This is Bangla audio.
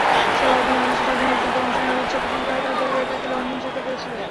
সালাউদ্দিন বাংলাদেশের স্বাধীনতা যুদ্ধে অংশ নেওয়ার ইচ্ছা পোষণ করায় তার পরিবার তাকে লন্ডনে যেতে বলেছিল।